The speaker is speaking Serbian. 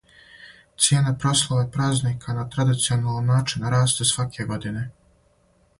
Цијена прославе празника на традиционалан начин расте сваке године.